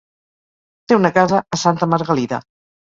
Té una casa a Santa Margalida.